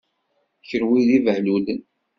Kenwi d ibehlulen.